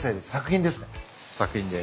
作品で。